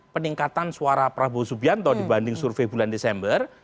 peningkatan suara prabowo subianto dibanding survei bulan desember